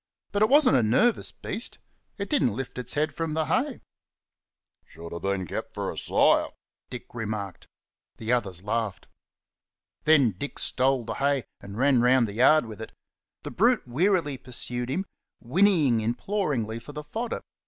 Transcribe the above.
But it wasn't a nervous beast; it didn't lift its head from the hay. "Should have been kept for a sire!" Dick remarked. The others laughed. Then Dick stole the hay and ran round the yard with it. The brute wearily pursued him, whinnying imploringly for the fodder.